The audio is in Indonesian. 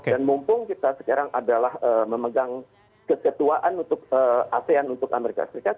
dan mumpung kita sekarang adalah memegang ketuaan untuk asean untuk amerika serikat